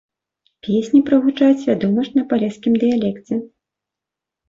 Песні прагучаць, вядома ж, на палескім дыялекце.